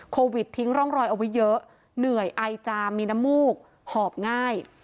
โควิดทิ้งร่องรอยเอาไว้เยอะเหนื่อยไอจามมีน้ำมูกหอบง่าย